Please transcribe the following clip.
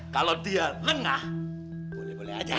kalau dia lengah boleh boleh aja